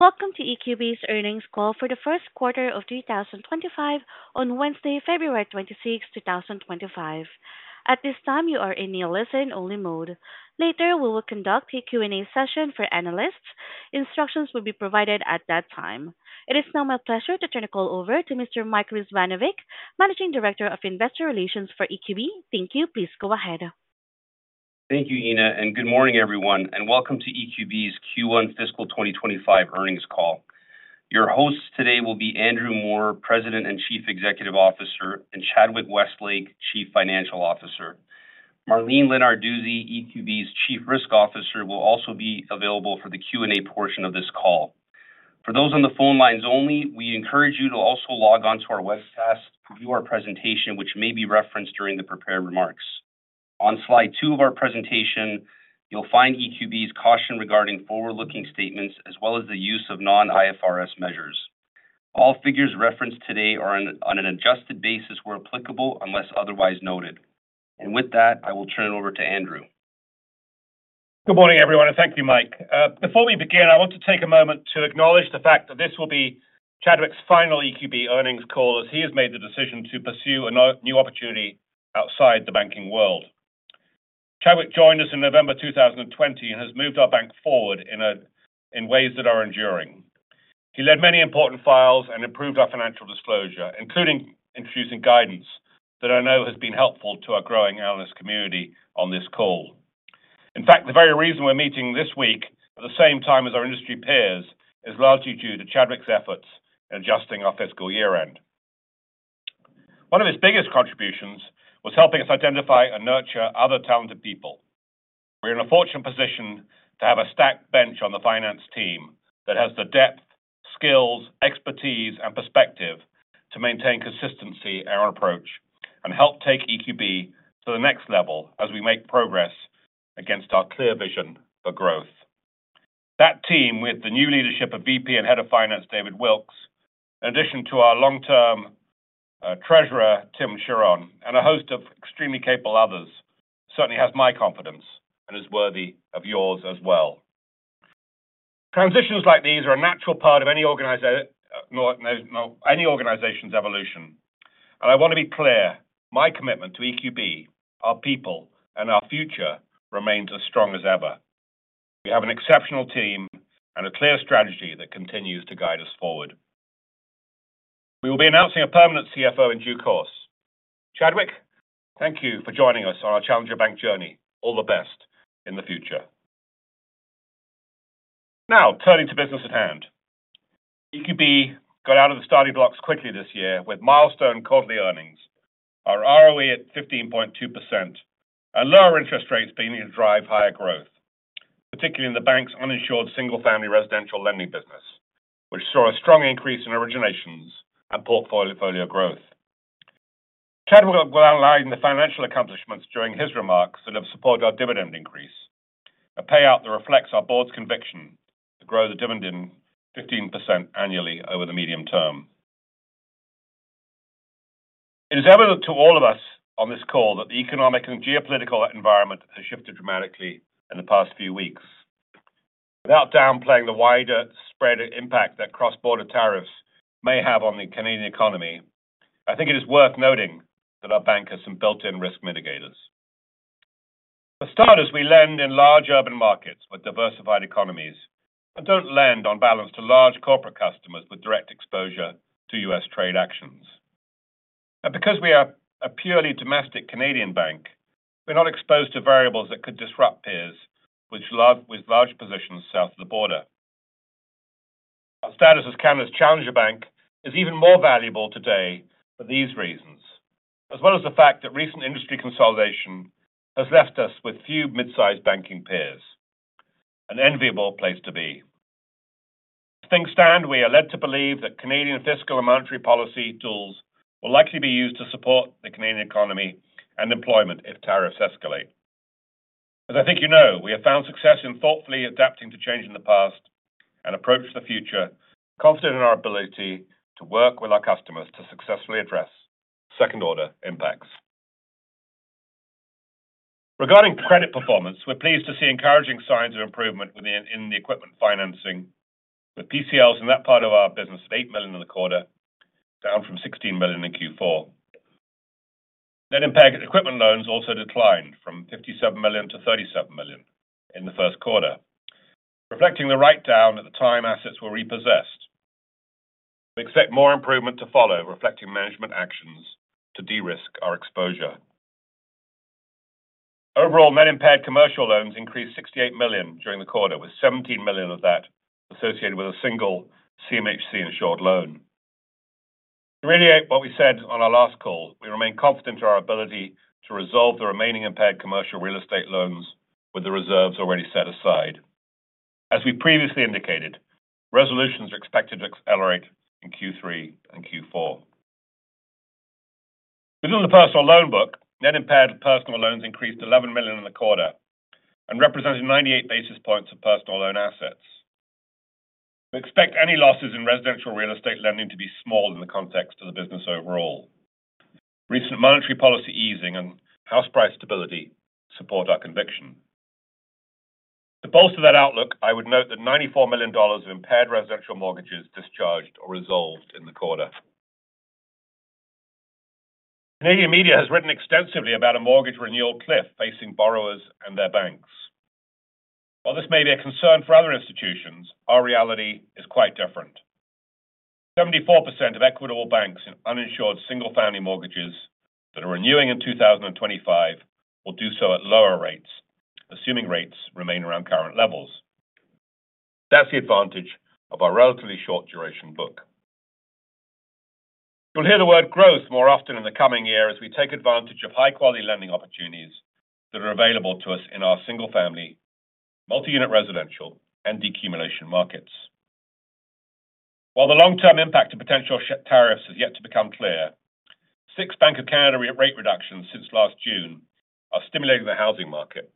Welcome to EQB's Earnings Call for the Q1 of 2025 on Wednesday, 26 February 2025. At this time, you are in the listen-only mode. Later, we will conduct a Q&A session for analysts. Instructions will be provided at that time. It is now my pleasure to turn the call over to Mr. Mike Rizvanovic, Managing Director of Investor Relations for EQB. Thank you. Please go ahead. Thank you, Ina, and good morning, everyone, and welcome to EQB's Q1 Fiscal 2025 Earnings Call. Your hosts today will be Andrew Moor, President and Chief Executive Officer, and Chadwick Westlake, Chief Financial Officer. Marlene Lenarduzzi, EQB's Chief Risk Officer, will also be available for the Q&A portion of this call. For those on the phone lines only, we encourage you to also log on to our webcast to view our presentation, which may be referenced during the prepared remarks. On slide two of our presentation, you'll find EQB's caution regarding forward-looking statements as well as the use of non-IFRS measures. All figures referenced today are on an adjusted basis where applicable, unless otherwise noted. With that, I will turn it over to Andrew. Good morning, everyone, and thank you, Mike. Before we begin, I want to take a moment to acknowledge the fact that this will be Chadwick's final EQB earnings call as he has made the decision to pursue a new opportunity outside the banking world. Chadwick joined us in November 2020 and has moved our bank forward in ways that are enduring. He led many important files and improved our financial disclosure, including introducing guidance that I know has been helpful to our growing analyst community on this call. In fact, the very reason we're meeting this week at the same time as our industry peers is largely due to Chadwick's efforts in adjusting our fiscal year-end. One of his biggest contributions was helping us identify and nurture other talented people. We're in a fortunate position to have a stacked bench on the finance team that has the depth, skills, expertise, and perspective to maintain consistency in our approach and help take EQB to the next level as we make progress against our clear vision for growth. That team, with the new leadership of VP and Head of Finance David Wilkes, in addition to our long-term treasurer Tim Caron and a host of extremely capable others, certainly has my confidence and is worthy of yours as well. Transitions like these are a natural part of any organization's evolution. And I want to be clear, my commitment to EQB, our people, and our future remains as strong as ever. We have an exceptional team and a clear strategy that continues to guide us forward. We will be announcing a permanent CFO in due course. Chadwick, thank you for joining us on our Challenger Bank journey. All the best in the future. Now, turning to business at hand, EQB got out of the starting blocks quickly this year with milestone quarterly earnings, our ROE at 15.2%, and lower interest rates being able to drive higher growth, particularly in the bank's uninsured single-family residential lending business, which saw a strong increase in originations and portfolio growth. Chadwick will outline the financial accomplishments during his remarks that have supported our dividend increase, a payout that reflects our board's conviction to grow the dividend 15% annually over the medium term. It is evident to all of us on this call that the economic and geopolitical environment has shifted dramatically in the past few weeks. Without downplaying the wider spread impact that cross-border tariffs may have on the Canadian economy, I think it is worth noting that our bank has some built-in risk mitigators. For starters, we lend in large urban markets with diversified economies and don't lend on balance to large corporate customers with direct exposure to US trade actions. And because we are a purely domestic Canadian bank, we're not exposed to variables that could disrupt peers with large positions south of the border. Our status as Canada's Challenger Bank is even more valuable today for these reasons, as well as the fact that recent industry consolidation has left us with few mid-sized banking peers, an enviable place to be. As things stand, we are led to believe that Canadian fiscal and monetary policy tools will likely be used to support the Canadian economy and employment if tariffs escalate. As I think you know, we have found success in thoughtfully adapting to change in the past and approach the future, confident in our ability to work with our customers to successfully address second-order impacts. Regarding credit performance, we're pleased to see encouraging signs of improvement in the equipment financing, with PCLs in that part of our business of 8 million in the quarter, down from 16 million in Q4. Net impaired equipment loans also declined from 57 million to 37 million in the Q1, reflecting the write-down at the time assets were repossessed. We expect more improvement to follow, reflecting management actions to de-risk our exposure. Overall, net impaired commercial loans increased 68 million during the quarter, with 17 million of that associated with a single CMHC-insured loan. To reiterate what we said on our last call, we remain confident in our ability to resolve the remaining impaired commercial real estate loans with the reserves already set aside. As we previously indicated, resolutions are expected to accelerate in Q3 and Q4. Within the personal loan book, net impaired personal loans increased 11 million in the quarter and represented 98 basis points of personal loan assets. We expect any losses in residential real estate lending to be small in the context of the business overall. Recent monetary policy easing and house price stability support our conviction. To bolster that outlook, I would note that 94 million dollars of impaired residential mortgages discharged or resolved in the quarter. Canadian media has written extensively about a mortgage renewal cliff facing borrowers and their banks. While this may be a concern for other institutions, our reality is quite different. 74% of Equitable Bank's uninsured single-family mortgages that are renewing in 2025 will do so at lower rates, assuming rates remain around current levels. That's the advantage of our relatively short duration book. You'll hear the word growth more often in the coming year as we take advantage of high-quality lending opportunities that are available to us in our single-family, multi-unit residential, and decumulation markets. While the long-term impact of potential tariffs has yet to become clear, six Bank of Canada rate reductions since last June are stimulating the housing market.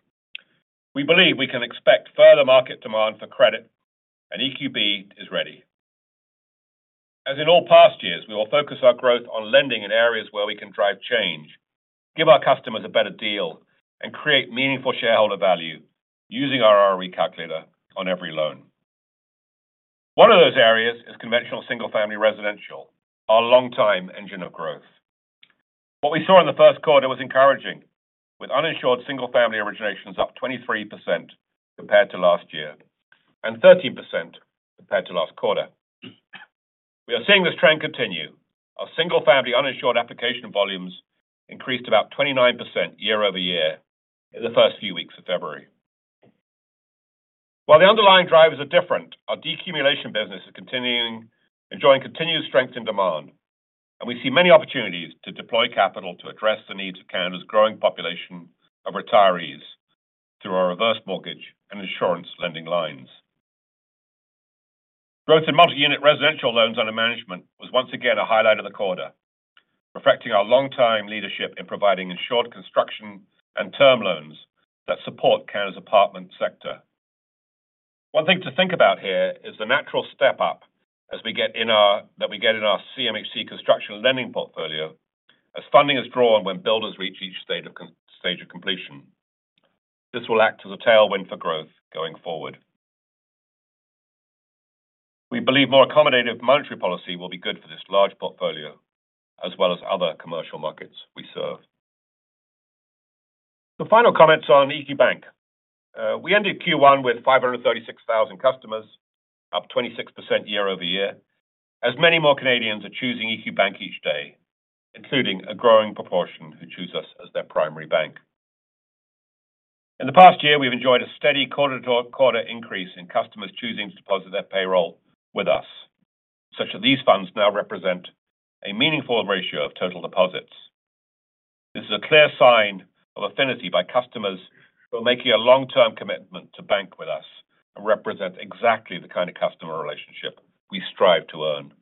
We believe we can expect further market demand for credit, and EQB is ready. As in all past years, we will focus our growth on lending in areas where we can drive change, give our customers a better deal, and create meaningful shareholder value using our ROE calculator on every loan. One of those areas is conventional single-family residential, our long-time engine of growth. What we saw in the Q1 was encouraging, with uninsured single-family originations up 23% compared to last year and 13% compared to last quarter. We are seeing this trend continue. Our single-family uninsured application volumes increased about 29% year-over-year in the first few weeks of February. While the underlying drivers are different, our decumulation business is enjoying continued strength in demand, and we see many opportunities to deploy capital to address the needs of Canada's growing population of retirees through our reverse mortgage and insurance lending lines. Growth in multi-unit residential loans under management was once again a highlight of the quarter, reflecting our long-time leadership in providing insured construction and term loans that support Canada's apartment sector. One thing to think about here is the natural step-up that we get in our CMHC construction lending portfolio as funding is drawn when builders reach each stage of completion. This will act as a tailwind for growth going forward. We believe more accommodative monetary policy will be good for this large portfolio, as well as other commercial markets we serve. Some final comments on EQ Bank. We ended Q1 with 536,000 customers, up 26% year-over-year, as many more Canadians are choosing EQ Bank each day, including a growing proportion who choose us as their primary bank. In the past year, we've enjoyed a steady quarter to quarter increase in customers choosing to deposit their payroll with us, such that these funds now represent a meaningful ratio of total deposits. This is a clear sign of affinity by customers who are making a long-term commitment to bank with us and represent exactly the kind of customer relationship we strive to earn.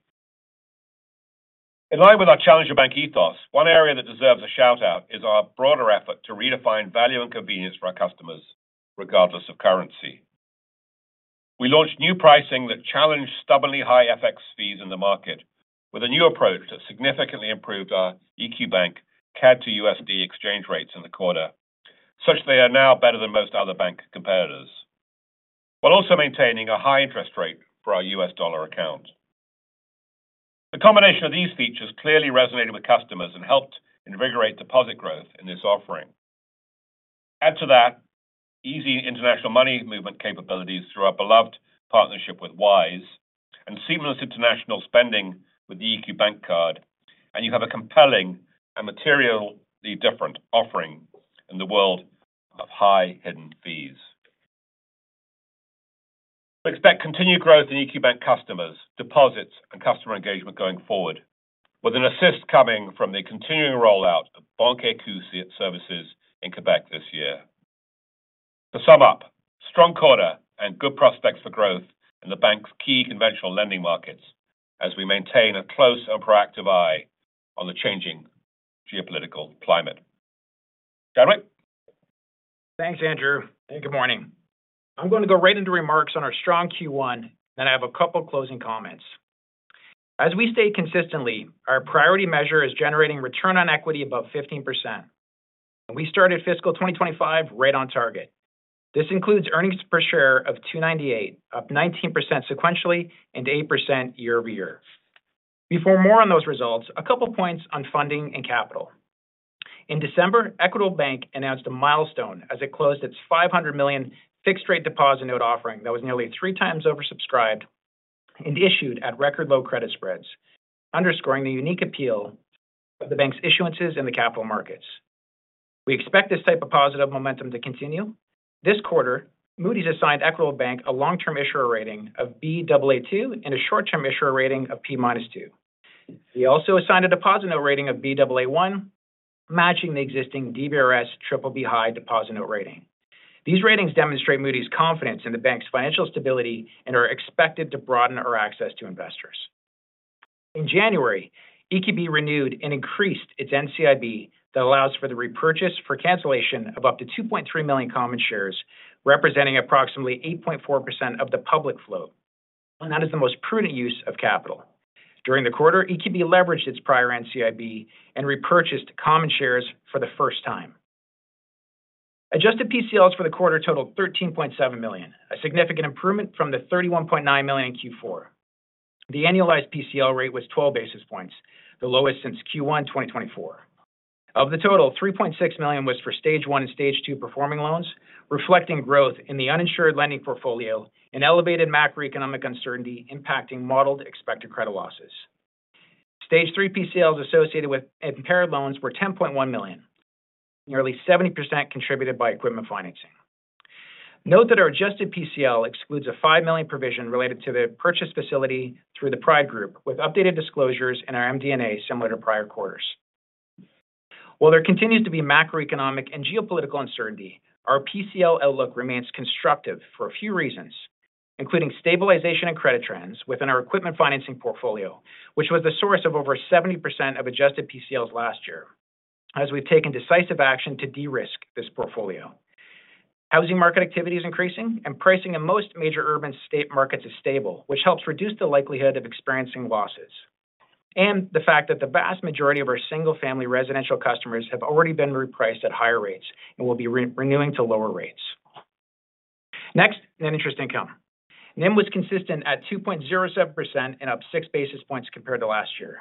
In line with our Challenger Bank ethos, one area that deserves a shout-out is our broader effort to redefine value and convenience for our customers, regardless of currency. We launched new pricing that challenged stubbornly high FX fees in the market, with a new approach that significantly improved our EQ Bank CAD to USD exchange rates in the quarter, such that they are now better than most other bank competitors, while also maintaining a high interest rate for our US dollar account. The combination of these features clearly resonated with customers and helped invigorate deposit growth in this offering. Add to that easy international money movement capabilities through our beloved partnership with Wise and seamless international spending with the EQ Bank card, and you have a compelling and materially different offering in the world of high hidden fees. We expect continued growth in EQ Bank customers, deposits, and customer engagement going forward, with an assist coming from the continuing rollout of Banque EQ services in Quebec this year. To sum up, strong quarter and good prospects for growth in the bank's key conventional lending markets as we maintain a close and proactive eye on the changing geopolitical climate. Chadwick? Thanks, Andrew. Good morning. I'm going to go right into remarks on our strong Q1, and then I have a couple of closing comments. As we state consistently, our priority measure is generating return on equity above 15%. We started fiscal 2025 right on target. This includes earnings per share of $2.98, up 19% sequentially and 8% year-over-year. Before more on those results, a couple of points on funding and capital. In December, Equitable Bank announced a milestone as it closed its 500 million fixed-rate deposit note offering that was nearly three times oversubscribed and issued at record low credit spreads, underscoring the unique appeal of the bank's issuances in the capital markets. We expect this type of positive momentum to continue. This quarter, Moody's assigned Equitable Bank a long-term issuer rating of Baa2 and a short-term issuer rating of P-2. We also assigned a deposit note rating of Baa1, matching the existing DBRS BBB (high) deposit note rating. These ratings demonstrate Moody's confidence in the bank's financial stability and are expected to broaden our access to investors. In January, EQB renewed and increased its NCIB that allows for the repurchase for cancellation of up to 2.3 million common shares, representing approximately 8.4% of the public float. And that is the most prudent use of capital. During the quarter, EQB leveraged its prior NCIB and repurchased common shares for the first time. Adjusted PCLs for the quarter totaled 13.7 million, a significant improvement from the 31.9 million in Q4. The annualized PCL rate was 12 basis points, the lowest since Q1 2024. Of the total, 3.6 million was for Stage 1 and Stage 2 performing loans, reflecting growth in the uninsured lending portfolio and elevated macroeconomic uncertainty impacting modeled expected credit losses. Stage 3 PCLs associated with impaired loans were 10.1 million, nearly 70% contributed by equipment financing. Note that our adjusted PCL excludes a 5 million provision related to the purchase facility through the Pride Group, with updated disclosures in our MD&A similar to prior quarters. While there continues to be macroeconomic and geopolitical uncertainty, our PCL outlook remains constructive for a few reasons, including stabilization and credit trends within our equipment financing portfolio, which was the source of over 70% of adjusted PCLs last year, as we've taken decisive action to de-risk this portfolio. Housing market activity is increasing, and pricing in most major urban estate markets is stable, which helps reduce the likelihood of experiencing losses. The fact that the vast majority of our single-family residential customers have already been repriced at higher rates and will be renewing to lower rates. Next, NIM interest income. NIM was consistent at 2.07% and up six basis points compared to last year.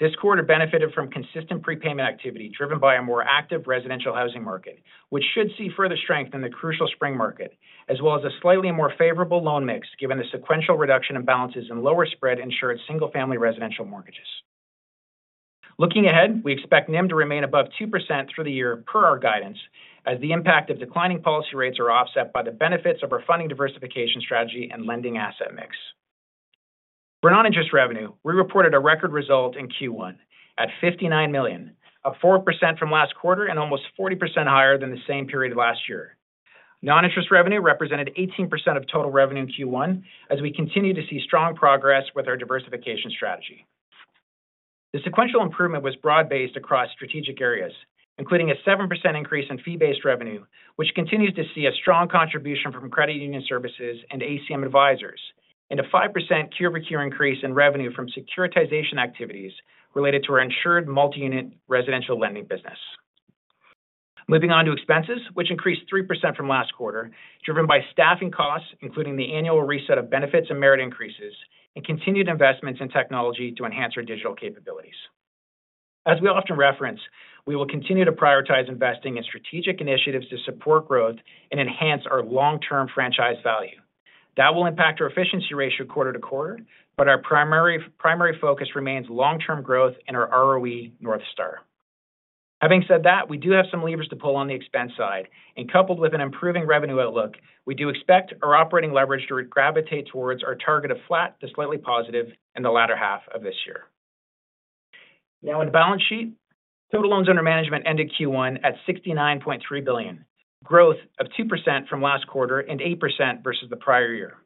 This quarter benefited from consistent prepayment activity driven by a more active residential housing market, which should see further strength in the crucial spring market, as well as a slightly more favorable loan mix given the sequential reduction in balances and lower spread insured single-family residential mortgages. Looking ahead, we expect NIM to remain above 2% through the year per our guidance, as the impact of declining policy rates are offset by the benefits of our funding diversification strategy and lending asset mix. For non-interest revenue, we reported a record result in Q1 at 59 million, up 4% from last quarter and almost 40% higher than the same period last year. Non-interest revenue represented 18% of total revenue in Q1, as we continue to see strong progress with our diversification strategy. The sequential improvement was broad-based across strategic areas, including a 7% increase in fee-based revenue, which continues to see a strong contribution from Credit Union Services and ACM Advisors, and a 5% quarter-over-quarter increase in revenue from securitization activities related to our insured multi-unit residential lending business. Moving on to expenses, which increased 3% from last quarter, driven by staffing costs, including the annual reset of benefits and merit increases, and continued investments in technology to enhance our digital capabilities. As we often reference, we will continue to prioritize investing in strategic initiatives to support growth and enhance our long-term franchise value. That will impact our efficiency ratio quarter to quarter, but our primary focus remains long-term growth and our ROE North Star. Having said that, we do have some levers to pull on the expense side, and coupled with an improving revenue outlook, we do expect our operating leverage to gravitate towards our target of flat to slightly positive in the latter half of this year. Now, on the balance sheet, total loans under management ended Q1 at 69.3 billion, growth of 2% from last quarter and 8% versus the prior year.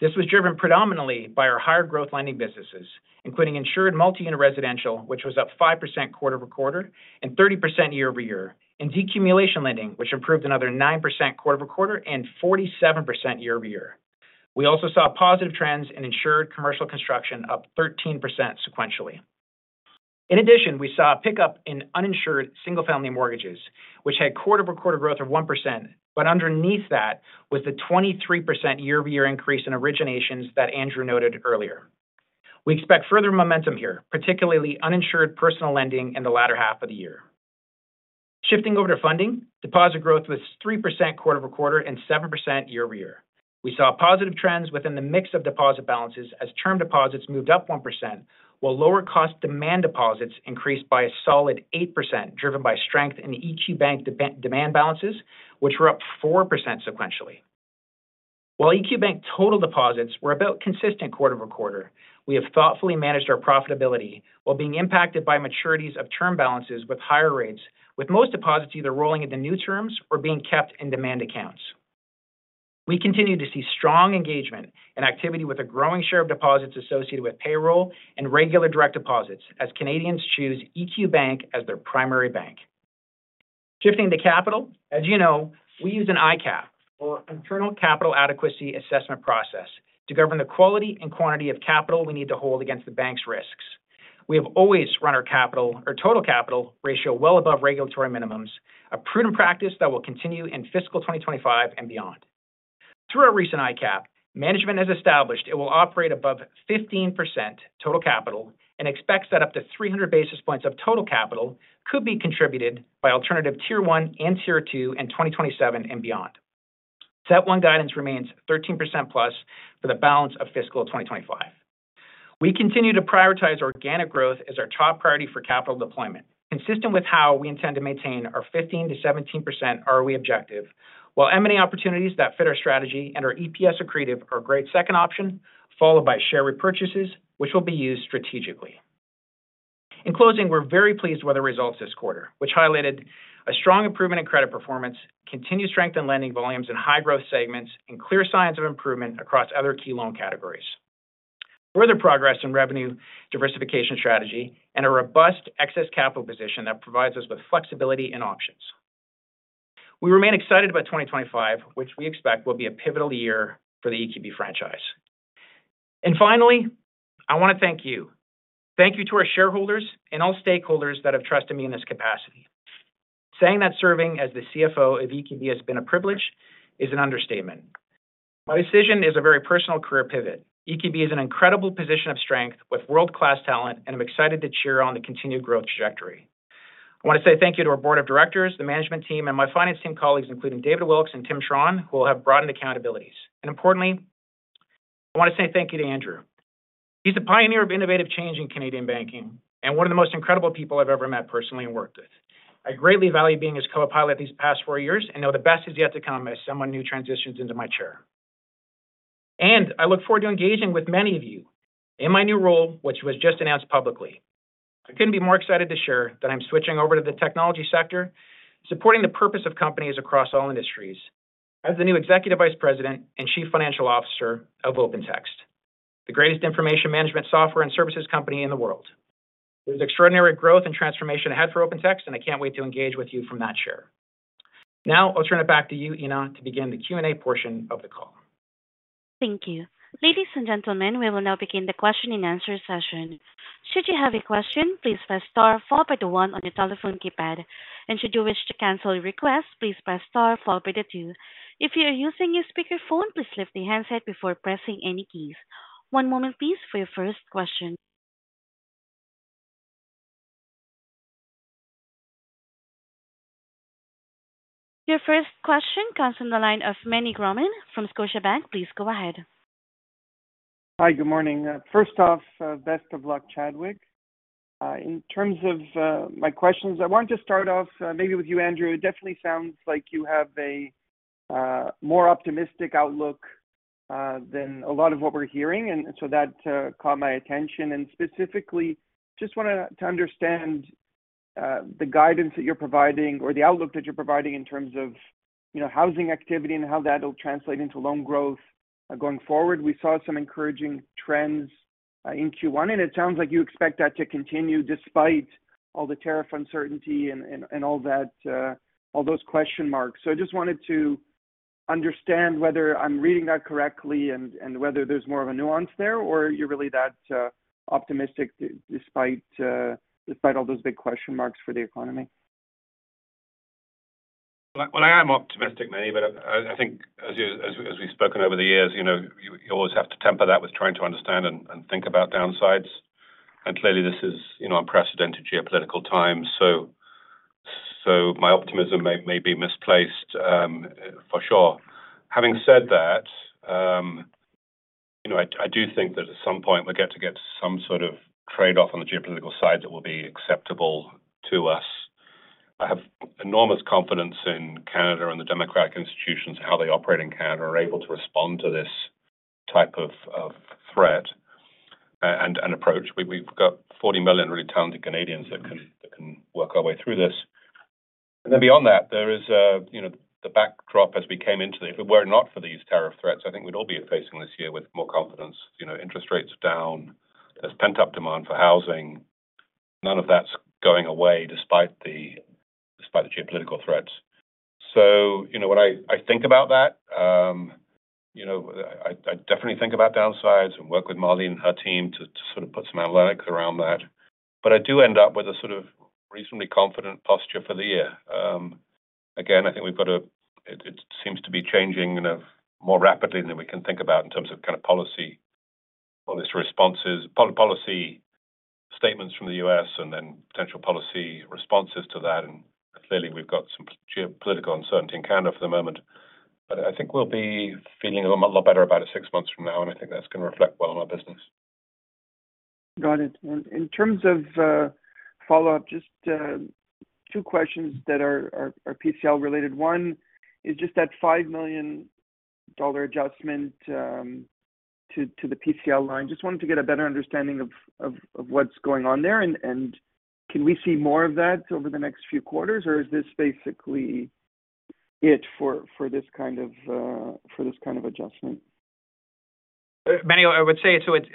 This was driven predominantly by our higher growth lending businesses, including insured multi-unit residential, which was up 5% quarter to quarter and 30% year-over-year, and decumulation lending, which improved another 9% quarter to quarter and 47% year-over-year. We also saw positive trends in insured commercial construction, up 13% sequentially. In addition, we saw a pickup in uninsured single-family mortgages, which had quarter to quarter growth of 1%, but underneath that was the 23% year-over-year increase in originations that Andrew noted earlier. We expect further momentum here, particularly uninsured personal lending in the latter half of the year. Shifting over to funding, deposit growth was 3% quarter to quarter and 7% year-over-year. We saw positive trends within the mix of deposit balances as term deposits moved up 1%, while lower-cost demand deposits increased by a solid 8%, driven by strength in EQ Bank demand balances, which were up 4% sequentially. While EQ Bank total deposits were about consistent quarter to quarter, we have thoughtfully managed our profitability while being impacted by maturities of term balances with higher rates, with most deposits either rolling into new terms or being kept in demand accounts. We continue to see strong engagement and activity with a growing share of deposits associated with payroll and regular direct deposits, as Canadians choose EQ Bank as their primary bank. Shifting to capital, as you know, we use an ICAAP, or Internal Capital Adequacy Assessment, process to govern the quality and quantity of capital we need to hold against the bank's risks. We have always run our total capital ratio well above regulatory minimums, a prudent practice that will continue in fiscal 2025 and beyond. Through our recent ICAAP, management has established it will operate above 15% total capital and expects that up to 300 basis points of total capital could be contributed by alternative Tier 1 and Tier 2 in 2027 and beyond. CET1 guidance remains 13% plus for the balance of fiscal 2025. We continue to prioritize organic growth as our top priority for capital deployment, consistent with how we intend to maintain our 15% to 17% ROE objective, while evaluating opportunities that fit our strategy and our EPS-accretive are a great second option, followed by share repurchases, which will be used strategically. In closing, we're very pleased with the results this quarter, which highlighted a strong improvement in credit performance, continued strength in lending volumes in high-growth segments, and clear signs of improvement across other key loan categories. Further progress in revenue diversification strategy and a robust excess capital position that provides us with flexibility and options. We remain excited about 2025, which we expect will be a pivotal year for the EQB franchise. And finally, I want to thank you. Thank you to our shareholders and all stakeholders that have trusted me in this capacity. Saying that serving as the CFO of EQB has been a privilege is an understatement. My decision is a very personal career pivot. EQB is an incredible position of strength with world-class talent, and I'm excited to cheer on the continued growth trajectory. I want to say thank you to our board of directors, the management team, and my finance team colleagues, including David Wilkes and Tim Caron, who will have broadened accountabilities. And importantly, I want to say thank you to Andrew. He's a pioneer of innovative change in Canadian banking and one of the most incredible people I've ever met personally and worked with. I greatly value being his co-pilot these past four years and know the best is yet to come as someone new transitions into my chair. And I look forward to engaging with many of you in my new role, which was just announced publicly. I couldn't be more excited to share that I'm switching over to the technology sector, supporting the purpose of companies across all industries as the new Executive Vice President and Chief Financial Officer of OpenText, the greatest information management software and services company in the world. There's extraordinary growth and transformation ahead for OpenText, and I can't wait to engage with you from that chair. Now, I'll turn it back to you, Ina, to begin the Q&A portion of the call. Thank you. Ladies and gentlemen, we will now begin the question and answer session. Should you have a question, please press star followed by the one on your telephone keypad. And should you wish to cancel your request, please press star followed by the two. If you are using your speakerphone, please lift the handset before pressing any keys. One moment, please, for your first question. Your first question comes from the line of Meny Grauman from Scotiabank. Please go ahead. Hi, good morning. First off, best of luck, Chadwick. In terms of my questions, I wanted to start off maybe with you, Andrew. It definitely sounds like you have a more optimistic outlook than a lot of what we're hearing. And so that caught my attention. And specifically, just want to understand the guidance that you're providing or the outlook that you're providing in terms of housing activity and how that will translate into loan growth going forward. We saw some encouraging trends in Q1, and it sounds like you expect that to continue despite all the tariff uncertainty and all those question marks. So I just wanted to understand whether I'm reading that correctly and whether there's more of a nuance there or you're really that optimistic despite all those big question marks for the economy. I am optimistic, Meny, but I think as we've spoken over the years, you always have to temper that with trying to understand and think about downsides. Clearly, this is unprecedented geopolitical times, so my optimism may be misplaced for sure. Having said that, I do think that at some point we'll get to get some sort of trade-off on the geopolitical side that will be acceptable to us. I have enormous confidence in Canada and the democratic institutions and how they operate in Canada are able to respond to this type of threat and approach. We've got 40 million really talented Canadians that can work our way through this. Beyond that, there is the backdrop as we came into the if it were not for these tariff threats, I think we'd all be facing this year with more confidence. Interest rates are down. There's pent-up demand for housing. None of that's going away despite the geopolitical threats, so when I think about that, I definitely think about downsides and work with Marlene and her team to sort of put some analytics around that, but I do end up with a sort of reasonably confident posture for the year. Again, I think we've got it seems to be changing more rapidly than we can think about in terms of kind of policy statements from the US and then potential policy responses to that, and clearly, we've got some geopolitical uncertainty in Canada for the moment, but I think we'll be feeling a lot better about it six months from now, and I think that's going to reflect well on our business. Got it. In terms of follow-up, just two questions that are PCL-related. One is just that 5 million dollar adjustment to the PCL line. Just wanted to get a better understanding of what's going on there. And can we see more of that over the next few quarters, or is this basically it for this kind of adjustment? Meny, I would say it's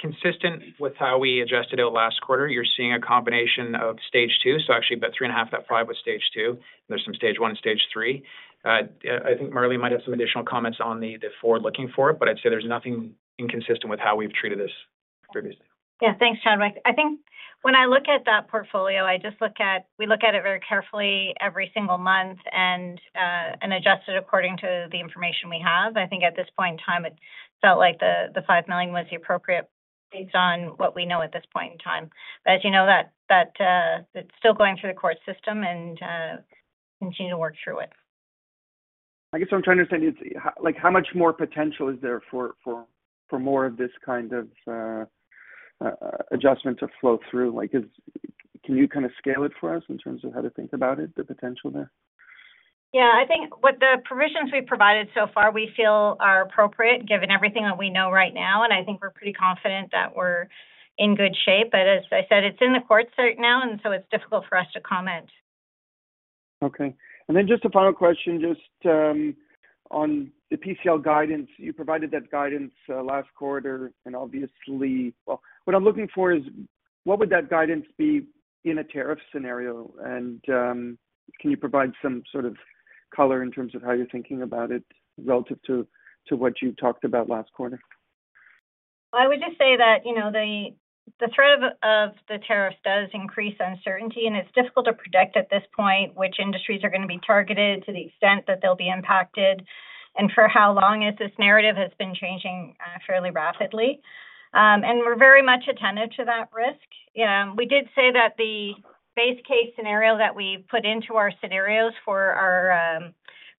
consistent with how we adjusted it last quarter. You're seeing a combination of Stage 2. So actually, about three and a half, that five was Stage 2. There's some Stage 1 and Stage 3. I think Marlene might have some additional comments on the forward-looking, but I'd say there's nothing inconsistent with how we've treated this previously. Yeah, thanks, Chadwick. I think when I look at that portfolio, we look at it very carefully every single month and adjust it according to the information we have. I think at this point in time, it felt like the 5 million was the appropriate based on what we know at this point in time. But as you know, it's still going through the court system and continue to work through it. I guess what I'm trying to understand is how much more potential is there for more of this kind of adjustment to flow through? Can you kind of scale it for us in terms of how to think about it, the potential there? Yeah. I think with the provisions we've provided so far, we feel are appropriate given everything that we know right now. And I think we're pretty confident that we're in good shape. But as I said, it's in the courts right now, and so it's difficult for us to comment. Okay. And then just a final question just on the PCL guidance. You provided that guidance last quarter, and obviously, well, what I'm looking for is what would that guidance be in a tariff scenario? And can you provide some sort of color in terms of how you're thinking about it relative to what you talked about last quarter? I would just say that the threat of the tariffs does increase uncertainty, and it's difficult to predict at this point which industries are going to be targeted to the extent that they'll be impacted and for how long as this narrative has been changing fairly rapidly. We're very much attentive to that risk. We did say that the base case scenario that we put into our scenarios for our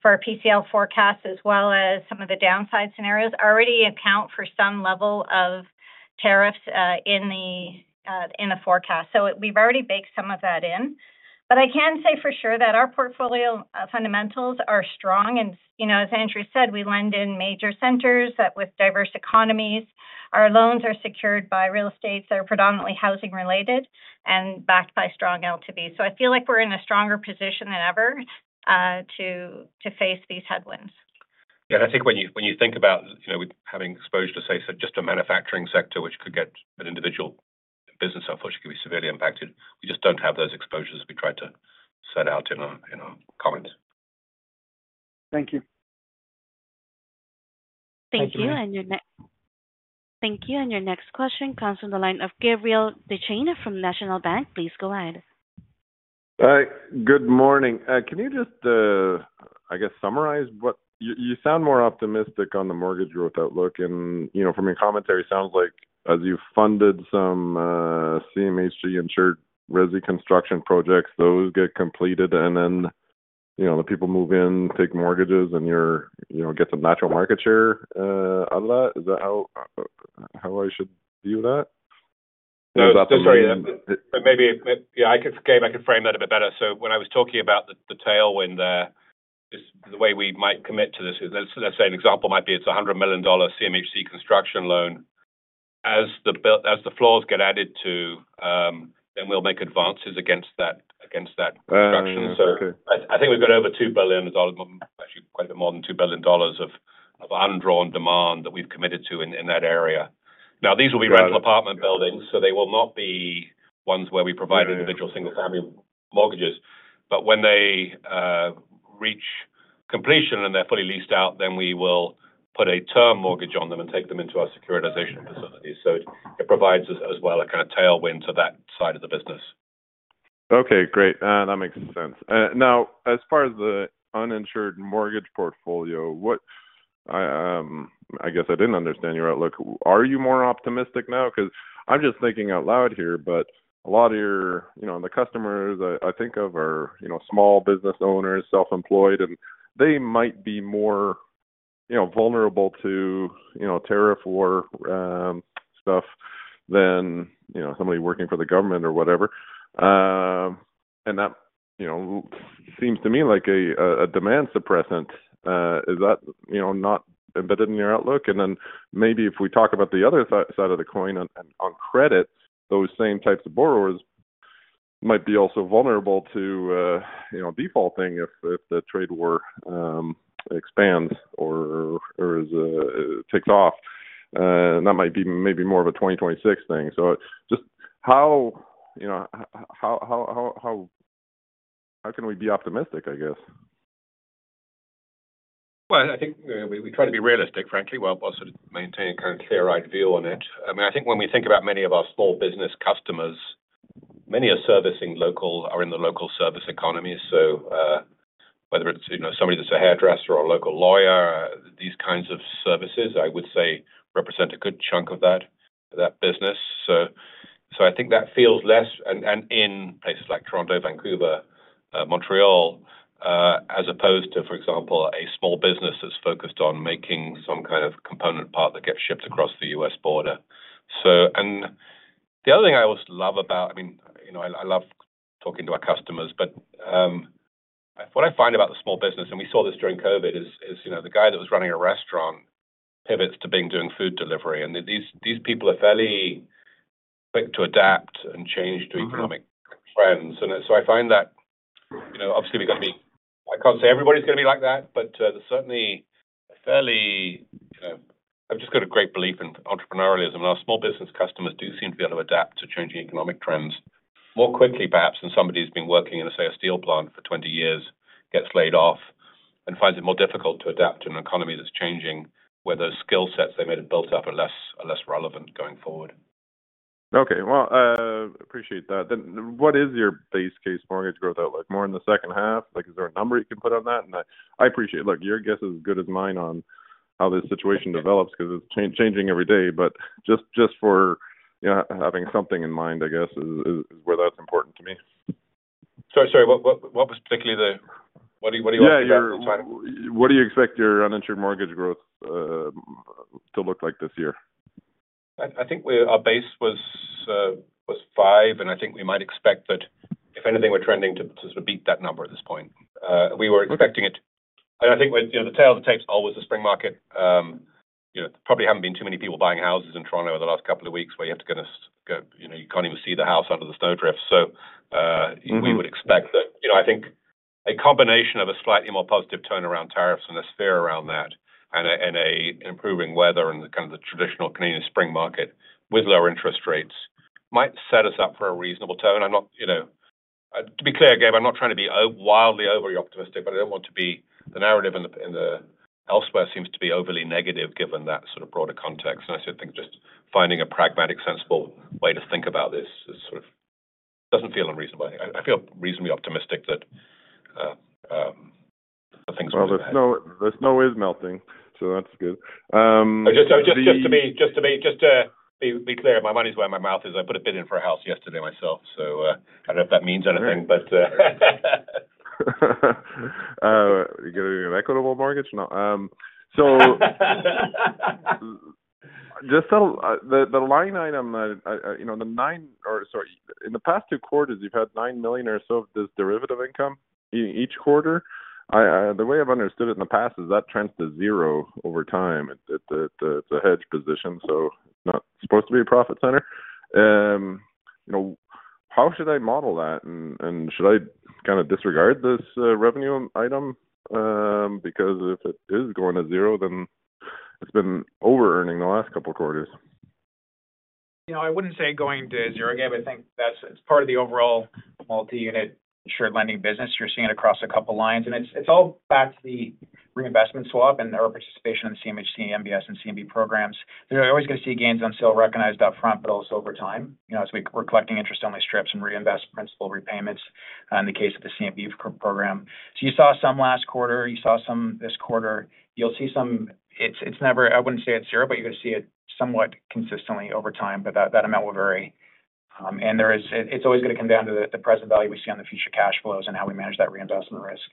PCL forecast, as well as some of the downside scenarios, already account for some level of tariffs in the forecast. We've already baked some of that in. I can say for sure that our portfolio fundamentals are strong. As Andrew said, we lend in major centers with diverse economies. Our loans are secured by real estate that is predominantly housing-related and backed by strong LTV. So I feel like we're in a stronger position than ever to face these headwinds. Yeah. And I think when you think about having exposure to, say, just a manufacturing sector, which could get an individual business, unfortunately, could be severely impacted, we just don't have those exposures we tried to set out in our comments. Thank you. Thank you. And your next question comes from the line of Gabriel Dechaine from National Bank. Please go ahead. Good morning. Can you just, I guess, summarize what you sound more optimistic on the mortgage growth outlook? And from your commentary, it sounds like as you've funded some CMHC-insured resi construction projects, those get completed, and then the people move in, take mortgages, and you get some natural market share out of that. Is that how I should view that? Sorry. Maybe, yeah, I could frame that a bit better so when I was talking about the tailwind there, the way we might commit to this, let's say an example might be it's a 100 million dollar CMHC construction loan. As the floors get added to, then we'll make advances against that construction. So I think we've got over CAD 2 billion, actually quite a bit more than 2 billion dollars of undrawn demand that we've committed to in that area. Now, these will be rental apartment buildings, so they will not be ones where we provide individual single-family mortgages. But when they reach completion and they're fully leased out, then we will put a term mortgage on them and take them into our securitization facility. So it provides us as well a kind of tailwind to that side of the business. Okay. Great. That makes sense. Now, as far as the uninsured mortgage portfolio, I guess I didn't understand your outlook. Are you more optimistic now? Because I'm just thinking out loud here, but a lot of your customers I think of are small business owners, self-employed, and they might be more vulnerable to tariff war stuff than somebody working for the government or whatever. And that seems to me like a demand suppressant. Is that not embedded in your outlook? And then maybe if we talk about the other side of the coin on credit, those same types of borrowers might be also vulnerable to defaulting if the trade war expands or takes off. And that might be maybe more of a 2026 thing. So just how can we be optimistic, I guess? Well, I think we try to be realistic, frankly, while also maintaining a kind of clear ideal on it. I mean, I think when we think about many of our small business customers, many are servicing local or in the local service economies. So whether it's somebody that's a hairdresser or a local lawyer, these kinds of services, I would say, represent a good chunk of that business. So I think that feels less and in places like Toronto, Vancouver, Montreal, as opposed to, for example, a small business that's focused on making some kind of component part that gets shipped across the US border. And the other thing I always love about, I mean, I love talking to our customers, but what I find about the small business, and we saw this during COVID, is the guy that was running a restaurant pivots to being doing food delivery. These people are fairly quick to adapt and change to economic trends. I find that, obviously, I can't say everybody's going to be like that, but there's certainly. I've just got a great belief in entrepreneurialism, and our small business customers do seem to be able to adapt to changing economic trends more quickly, perhaps, than somebody who's been working in, say, a steel plant for 20 years, gets laid off and finds it more difficult to adapt to an economy that's changing where those skill sets they might have built up are less relevant going forward. Okay. Well, appreciate that. Then what is your base case mortgage growth outlook? More in the second half? Is there a number you can put on that? And I appreciate, look, your guess is as good as mine on how this situation develops because it's changing every day. But just for having something in mind, I guess, is where that's important to me. Sorry. What are you ultimately trying to? Yeah. What do you expect your uninsured mortgage growth to look like this year? I think our base was five, and I think we might expect that, if anything, we're trending to sort of beat that number at this point. We were expecting it. And I think the tale of the tape always the spring market. There probably haven't been too many people buying houses in Toronto over the last couple of weeks where you have to kind of you can't even see the house under the snowdrift. So we would expect that I think a combination of a slightly more positive turnaround tariffs and a fear around that and improving weather and kind of the traditional Canadian spring market with lower interest rates might set us up for a reasonable turn. To be clear, Gabe, I'm not trying to be wildly overly optimistic, but I don't want to be the narrative elsewhere seems to be overly negative given that sort of broader context, and I think just finding a pragmatic, sensible way to think about this sort of doesn't feel unreasonable. I feel reasonably optimistic that things will move forward. The snow is melting, so that's good. Just to be clear, my money's where my mouth is. I put a bid in for a house yesterday myself, so I don't know if that means anything, but. You're getting an Equitable mortgage? No. So just the line item, the nine, or sorry. In the past two quarters, you've had 9 million or so of this derivative income each quarter. The way I've understood it in the past is that it tends to zero over time. It's a hedge position, so it's not supposed to be a profit center. How should I model that? And should I kind of disregard this revenue item? Because if it is going to zero, then it's been over-earning the last couple of quarters. I wouldn't say going to zero, Gabe. I think that's part of the overall multi-unit insured lending business. You're seeing it across a couple of lines. And it's all back to the reinvestment swap and our participation in CMHC, MBS, and CMB programs. You're always going to see gains on sale recognized upfront, but also over time as we're collecting interest-only strips and reinvest principal repayments in the case of the CMB program. So you saw some last quarter. You saw some this quarter. You'll see some. I wouldn't say it's zero, but you're going to see it somewhat consistently over time, but that amount will vary. And it's always going to come down to the present value we see on the future cash flows and how we manage that reinvestment risk.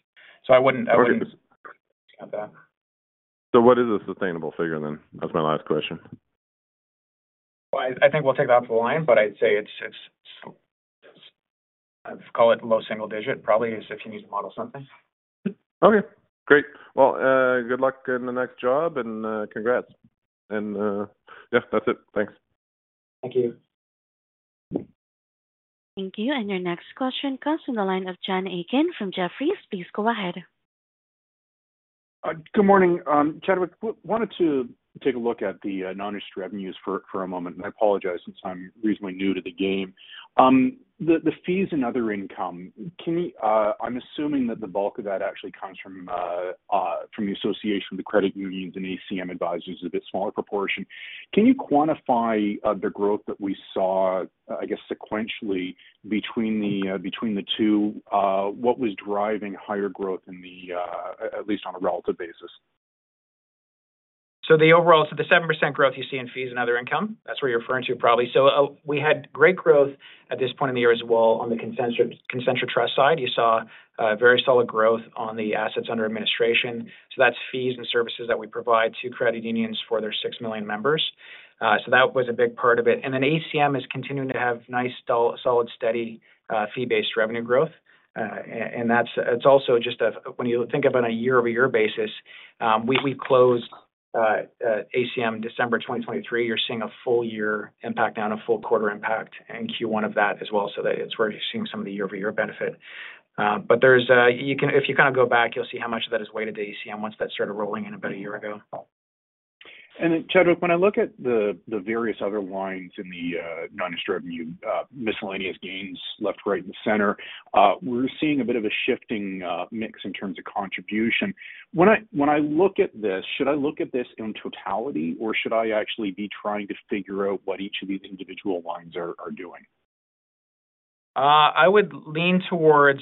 So I wouldn't have that. What is a sustainable figure then? That's my last question. I think we'll take that for the line, but I'd say I'd call it low single digit probably if you need to model something. Okay. Great. Well, good luck in the next job and congrats. And yeah, that's it. Thanks. Thank you. And your next question comes from the line of John Aiken from Jefferies. Please go ahead. Good morning. Chadwick, wanted to take a look at the non-interest revenues for a moment. And I apologize since I'm reasonably new to the game. The fees and other income, I'm assuming that the bulk of that actually comes from the association of the credit unions and ACM Advisors is a bit smaller proportion. Can you quantify the growth that we saw, I guess, sequentially between the two, what was driving higher growth in the at least on a relative basis? So the 7% growth you see in fees and other income, that's what you're referring to probably. So we had great growth at this point in the year as well on the Concentra Trust side. You saw very solid growth on the assets under administration. So that's fees and services that we provide to credit unions for their six million members. So that was a big part of it. And then ACM is continuing to have nice, solid, steady fee-based revenue growth. And that's also just, when you think of it on a year-over-year basis, we closed ACM December 2023. You're seeing a full-year impact now and a full-quarter impact in Q1 of that as well. So that's where you're seeing some of the year-over-year benefit. But if you kind of go back, you'll see how much of that is weighted to ACM once that started rolling in about a year ago. Chadwick, when I look at the various other lines in the non-interest revenue, miscellaneous gains, left, right, and center, we're seeing a bit of a shifting mix in terms of contribution. When I look at this, should I look at this in totality, or should I actually be trying to figure out what each of these individual lines are doing? I would lean towards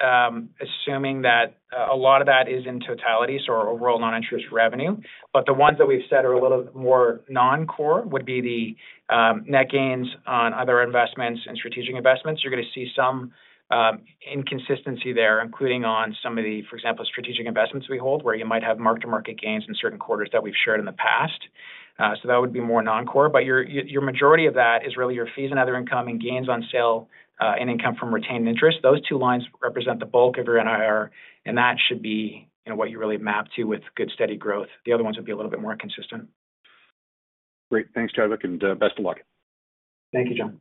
assuming that a lot of that is in totality, so our overall non-interest revenue. But the ones that we've said are a little more non-core would be the net gains on other investments and strategic investments. You're going to see some inconsistency there, including on some of the, for example, strategic investments we hold, where you might have mark-to-market gains in certain quarters that we've shared in the past. So that would be more non-core. But your majority of that is really your fees and other income and gains on sale and income from retained interest. Those two lines represent the bulk of your NIR, and that should be what you really map to with good steady growth. The other ones would be a little bit more consistent. Great. Thanks, Chadwick, and best of luck. Thank you, John.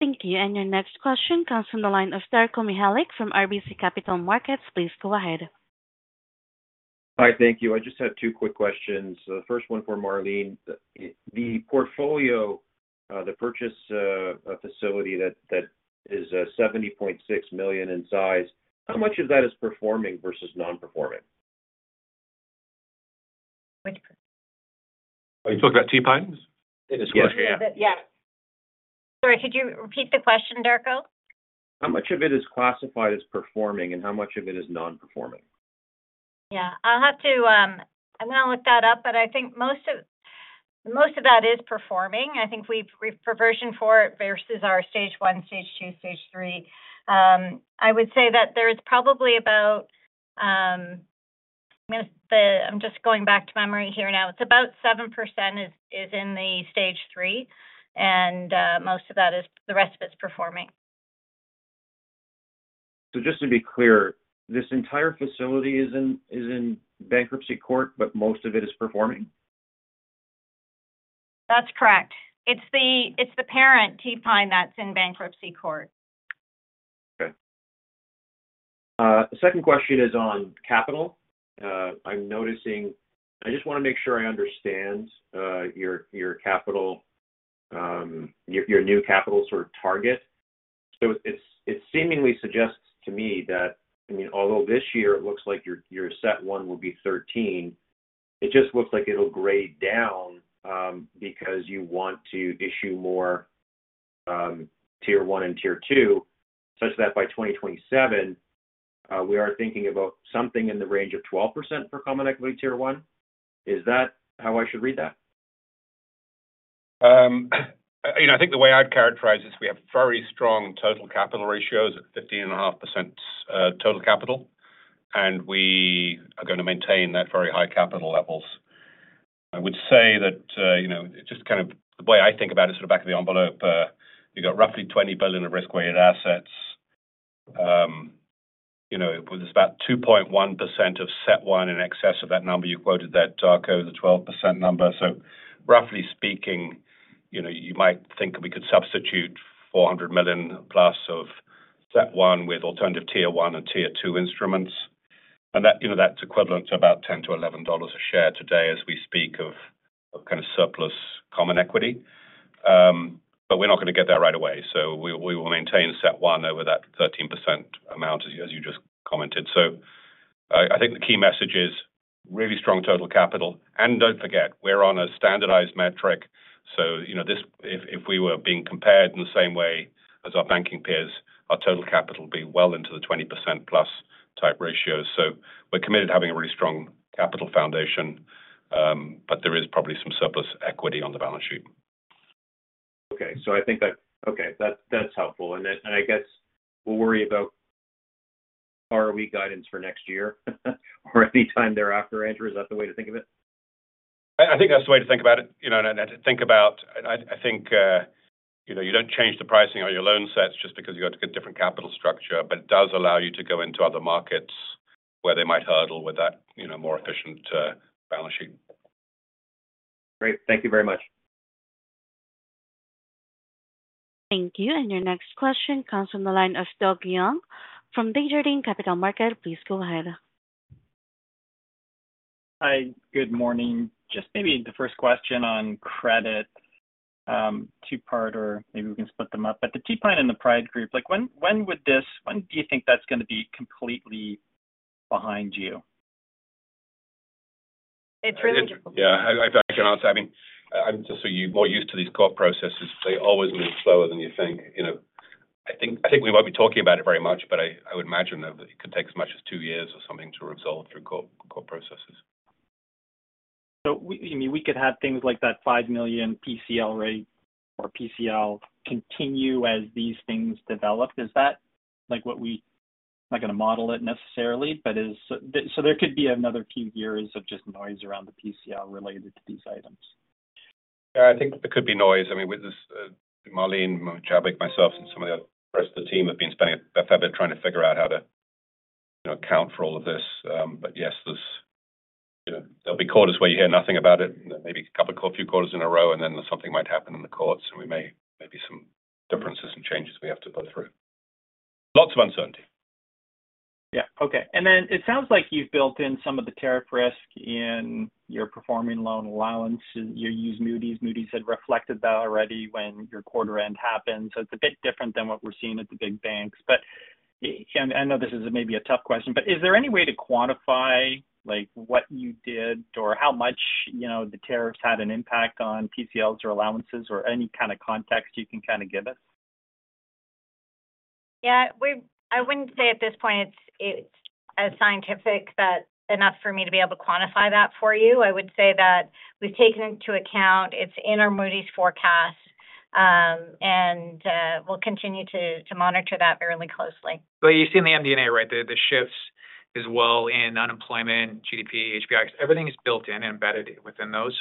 Thank you, and your next question comes from the line of Darko Mihelic from RBC Capital Markets. Please go ahead. Hi. Thank you. I just have two quick questions. The first one for Marlene. The portfolio, the purchase facility that is 70.6 million in size, how much of that is performing versus non-performing? Are you talking about T-Pine's? Yeah. Sorry. Could you repeat the question, Darko? How much of it is classified as performing, and how much of it is non-performing? Yeah. I'll have to look that up, but I think most of that is performing. I think we've provisioned for it versus our Stage 1, Stage 2, Stage 3. I would say that there is probably about. I'm just going back to memory here now. It's about 7% is in the Stage 3, and most of that is the rest of it's performing. So just to be clear, this entire facility is in bankruptcy court, but most of it is performing? That's correct. It's the parent T-Pine that's in bankruptcy court. Okay. Second question is on capital. I'm noticing I just want to make sure I understand your new capital sort of target. So it seemingly suggests to me that, I mean, although this year it looks like your CET1 will be 13, it just looks like it'll grade down because you want to issue more Tier 1 and Tier 2, such that by 2027, we are thinking about something in the range of 12% for Common Equity Tier 1. Is that how I should read that? I think the way I'd characterize it is we have very strong total capital ratios at 15.5% total capital, and we are going to maintain that very high capital levels. I would say that just kind of the way I think about it sort of back of the envelope, you've got roughly 20 billion of risk-weighted assets. It was about 2.1% of CET1 in excess of that number you quoted there, Darko, the 12% number. So roughly speaking, you might think we could substitute 400 million plus of CET1 with alternative Tier 1 and Tier 2 instruments. And that's equivalent to about 10-11 dollars a share today as we speak of kind of surplus common equity. But we're not going to get there right away. So we will maintain CET1 over that 13% amount, as you just commented. So I think the key message is really strong total capital. And don't forget, we're on a standardized metric. So if we were being compared in the same way as our banking peers, our total capital would be well into the 20% plus type ratios. So we're committed to having a really strong capital foundation, but there is probably some surplus equity on the balance sheet. Okay, so I think that's helpful, and I guess we'll worry about ROE guidance for next year or any time thereafter. Andrew, is that the way to think of it? I think that's the way to think about it, and to think about, I think you don't change the pricing on your loan sets just because you've got a different capital structure, but it does allow you to go into other markets where they might hurdle with that more efficient balance sheet. Great. Thank you very much. Thank you. And your next question comes from the line of Doug Young from Desjardins Capital Markets, please go ahead. Hi. Good morning. Just maybe the first question on credit, two-part or maybe we can split them up, but the T-Pine and the Pride Group, when would this, when do you think that's going to be completely behind you? It's really difficult. Yeah. I'm sorry. I mean, I'm just so you're more used to these court processes. They always move slower than you think. I think we won't be talking about it very much, but I would imagine that it could take as much as two years or something to resolve through court processes. You mean we could have things like that 5 million PCL rate or PCL continue as these things develop? Is that what we are going to model it necessarily? So there could be another few years of just noise around the PCL related to these items. I think there could be noise. I mean, Marlene, Chadwick, myself, and some of the rest of the team have been spending a fair bit trying to figure out how to account for all of this. But yes, there'll be quarters where you hear nothing about it, maybe a couple of quarters in a row, and then something might happen in the courts, and we may see some differences and changes we have to go through. Lots of uncertainty. Yeah. Okay. And then it sounds like you've built in some of the tariff risk in your performing loan allowances. You use Moody's. Moody's had reflected that already when your quarter-end happened. So it's a bit different than what we're seeing at the big banks. But I know this is maybe a tough question, but is there any way to quantify what you did or how much the tariffs had an impact on PCLs or allowances or any kind of context you can kind of give us? Yeah. I wouldn't say at this point it's scientific enough for me to be able to quantify that for you. I would say that we've taken into account it's in our Moody's forecast, and we'll continue to monitor that fairly closely. But you see in the MD&A, right, the shifts as well in unemployment, GDP, HPI, everything is built in and embedded within those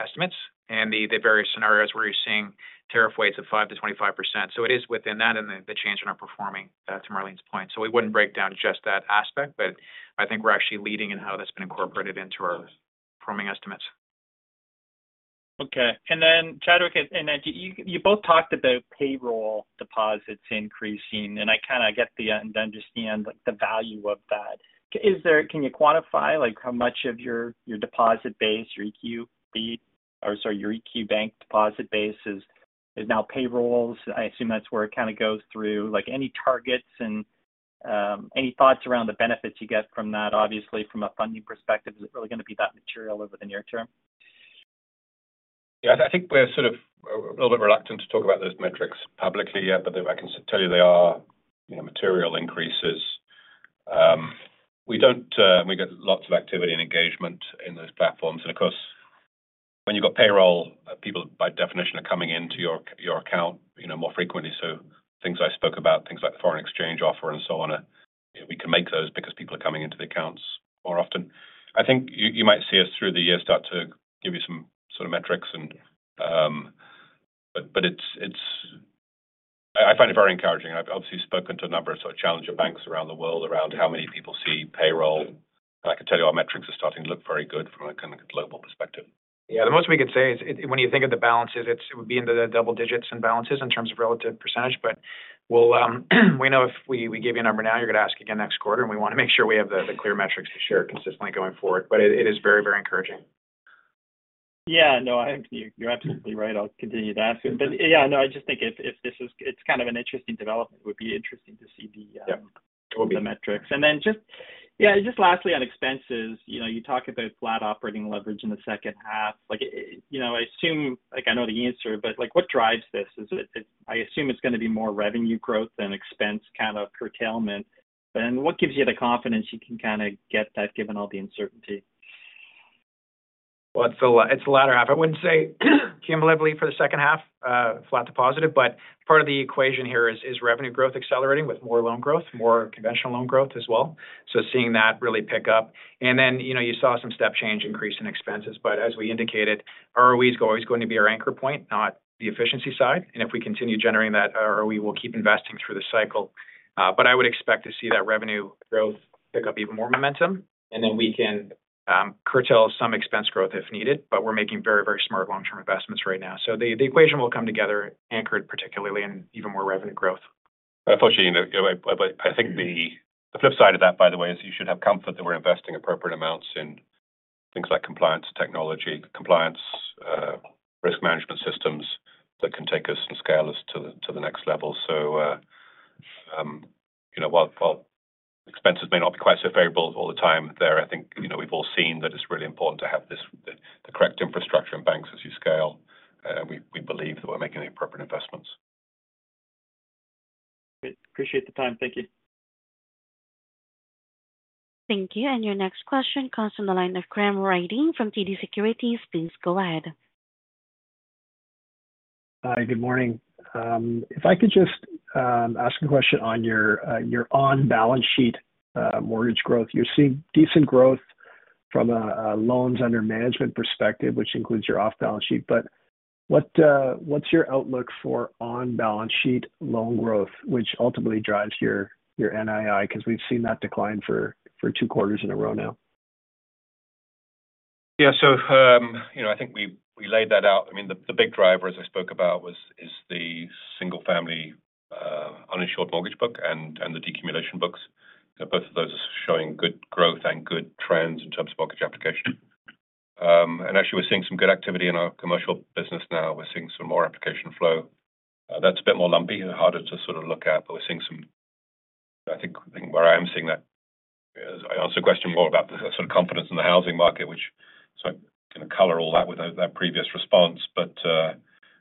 estimates and the various scenarios where you're seeing tariff weights of 5% to 25%. So it is within that and the change in our performing to Marlene's point. So we wouldn't break down just that aspect, but I think we're actually leading in how that's been incorporated into our performing estimates. Okay. And then, Chadwick, you both talked about payroll deposits increasing, and I kind of get and understand the value of that. Can you quantify how much of your deposit base, your EQB, or sorry, your EQ Bank deposit base is now payrolls? I assume that's where it kind of goes through. Any targets and any thoughts around the benefits you get from that? Obviously, from a funding perspective, is it really going to be that material over the near term? Yeah. I think we're sort of a little bit reluctant to talk about those metrics publicly, but I can tell you they are material increases. We get lots of activity and engagement in those platforms. And of course, when you've got payroll, people by definition are coming into your account more frequently. So things I spoke about, things like the foreign exchange offer and so on, we can make those because people are coming into the accounts more often. I think you might see us through the year start to give you some sort of metrics. But I find it very encouraging. I've obviously spoken to a number of sort of challenger banks around the world around how many people see payroll. And I can tell you our metrics are starting to look very good from a kind of global perspective. Yeah. The most we can say is when you think of the balances, it would be into the double digits and balances in terms of relative percentage. But we know if we give you a number now, you're going to ask again next quarter, and we want to make sure we have the clear metrics to share consistently going forward. But it is very, very encouraging. Yeah. No, I think you're absolutely right. I'll continue to ask it. But yeah, no, I just think if this is, it's kind of an interesting development. It would be interesting to see the metrics. And then just, yeah, just lastly on expenses, you talk about flat operating leverage in the second half. I assume I know the answer, but what drives this? I assume it's going to be more revenue growth than expense kind of curtailment. And what gives you the confidence you can kind of get that given all the uncertainty? It's the latter half. I wouldn't say cumulatively for the second half, flat to positive. Part of the equation here is revenue growth accelerating with more loan growth, more conventional loan growth as well. Seeing that really pick up. You saw some step change increase in expenses. As we indicated, ROE is always going to be our anchor point, not the efficiency side. If we continue generating that, we will keep investing through the cycle. I would expect to see that revenue growth pick up even more momentum, and then we can curtail some expense growth if needed. We're making very, very smart long-term investments right now. The equation will come together anchored particularly in even more revenue growth. Unfortunately, I think the flip side of that, by the way, is you should have confidence that we're investing appropriate amounts in things like compliance technology, compliance risk management systems that can take us and scale us to the next level. So while expenses may not be quite so favorable all the time there, I think we've all seen that it's really important to have the correct infrastructure in banks as you scale, and we believe that we're making the appropriate investments. Appreciate the time. Thank you. Thank you. And your next question comes from the line of Graham Ryding from TD Securities. Please go ahead. Hi. Good morning. If I could just ask a question on your on-balance-sheet mortgage growth. You're seeing decent growth from a loans under management perspective, which includes your off-balance-sheet. But what's your outlook for on-balance-sheet loan growth, which ultimately drives your NII because we've seen that decline for two quarters in a row now? Yeah. So I think we laid that out. I mean, the big driver, as I spoke about, is the single-family uninsured mortgage book and the decumulation books. Both of those are showing good growth and good trends in terms of mortgage application. And actually, we're seeing some good activity in our commercial business now. We're seeing some more application flow. That's a bit more lumpy and harder to sort of look at. But we're seeing some I think where I am seeing that. I answered the question more about the sort of confidence in the housing market, which kind of colors all that with that previous response. But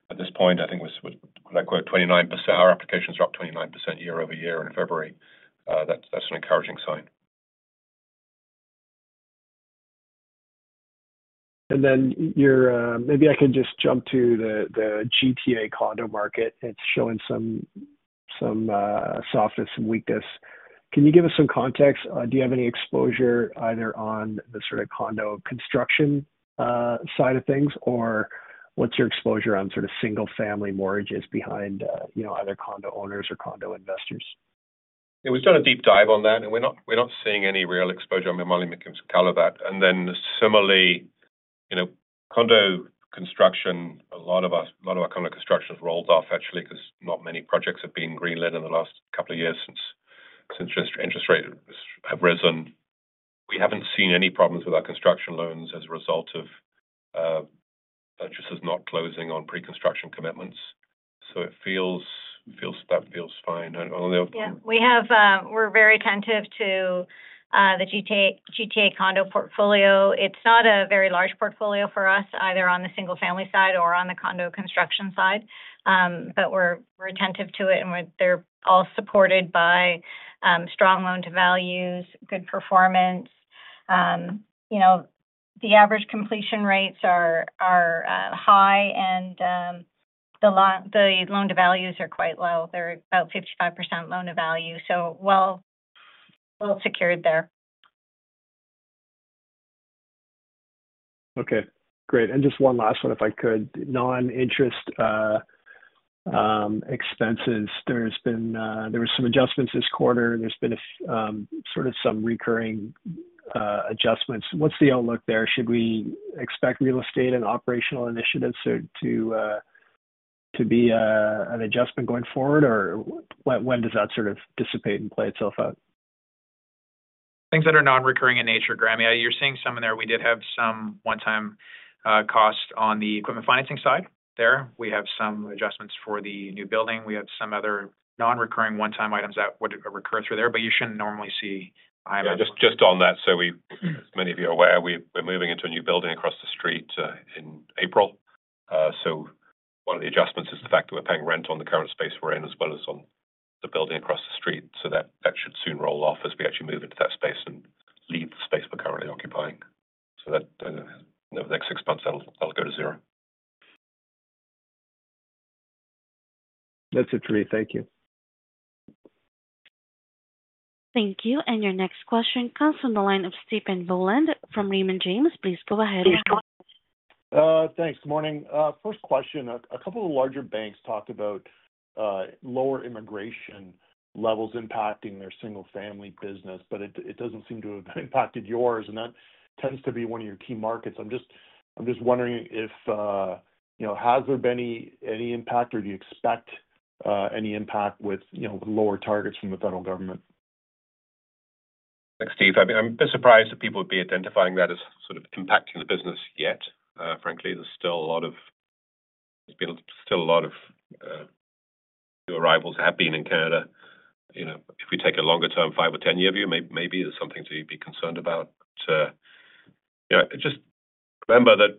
at this point, I think we're at 29%. Our applications dropped 29% year-over-year in February. That's an encouraging sign. Maybe I can just jump to the GTA condo market. It's showing some softness and weakness. Can you give us some context? Do you have any exposure either on the sort of condo construction side of things, or what's your exposure on sort of single-family mortgages behind either condo owners or condo investors? Yeah. We've done a deep dive on that, and we're not seeing any real exposure. I mean, Marlene can color that. And then similarly, condo construction, a lot of our condo construction has rolled off actually because not many projects have been greenlit in the last couple of years since interest rates have risen. We haven't seen any problems with our construction loans as a result of purchases not closing on pre-construction commitments. So that feels fine. Yeah. We're very attentive to the GTA condo portfolio. It's not a very large portfolio for us, either on the single-family side or on the condo construction side. But we're attentive to it, and they're all supported by strong loan-to-values, good performance. The average completion rates are high, and the loan-to-values are quite low. They're about 55% loan-to-value. So well secured there. Okay. Great. And just one last one, if I could. Non-interest expenses, there were some adjustments this quarter. There's been sort of some recurring adjustments. What's the outlook there? Should we expect real estate and operational initiatives to be an adjustment going forward, or when does that sort of dissipate and play itself out? Things that are non-recurring in nature, Graham, yeah, you're seeing some in there. We did have some one-time cost on the equipment financing side there. We have some adjustments for the new building. We have some other non-recurring one-time items that would recur through there. But you shouldn't normally see high amounts. Just on that, so as many of you are aware, we're moving into a new building across the street in April. So one of the adjustments is the fact that we're paying rent on the current space we're in as well as on the building across the street. So that should soon roll off as we actually move into that space and leave the space we're currently occupying. So over the next six months, that'll go to zero. That's it for me. Thank you. Thank you. And your next question comes from the line of Stephen Boland from Raymond James. Please go ahead. Thanks. Good morning. First question. A couple of larger banks talked about lower immigration levels impacting their single-family business, but it doesn't seem to have impacted yours, and that tends to be one of your key markets. I'm just wondering if there has been any impact, or do you expect any impact with lower targets from the federal government? Thanks, Steve. I'm a bit surprised that people would be identifying that as sort of impacting the business yet. Frankly, there's still a lot of new arrivals have been in Canada. If we take a longer-term five or 10-year view, maybe there's something to be concerned about. Just remember that